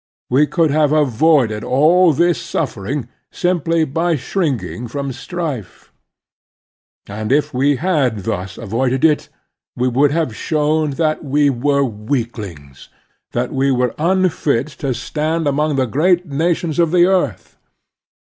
We could have avoided all this suffering simply by shrinking from strife. And if we had thus avoided it, we would have shown that we were weaklings, and that we were unfit to stand among the great nations of the earth.